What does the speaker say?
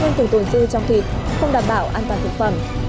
nên từng tồn dư trong thịt không đảm bảo an toàn thực phẩm